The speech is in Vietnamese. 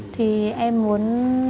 thì em muốn